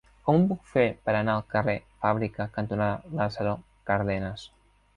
Com ho puc fer per anar al carrer Fàbrica cantonada Lázaro Cárdenas?